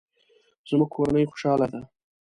زموږ کورنۍ خوشحاله ده